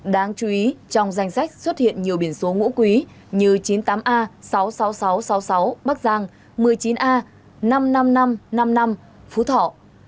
đáng chú ý trong danh sách xuất hiện nhiều biển số ngũ quý như chín mươi tám a sáu mươi sáu nghìn sáu trăm sáu mươi sáu bắc giang một mươi chín a năm mươi năm nghìn năm trăm năm mươi năm phú thọ